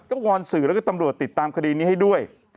ก็วอนสื่อแล้วก็ตำรวจติดตามคดีนี้ให้ด้วย